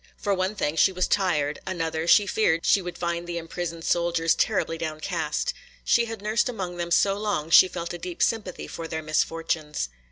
For one thing, she was tired; another, she feared she would find the imprisoned soldiers terribly downcast. She had nursed among them so long she felt a deep sympathy for their misfortunes.